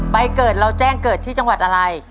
เกิดเราแจ้งเกิดที่จังหวัดอะไร